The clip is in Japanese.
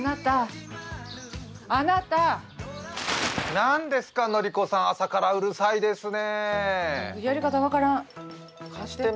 何ですか、のりこさん、朝からうるさいですね。